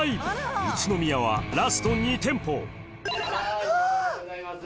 宇都宮はラスト２店舗餃子でございます。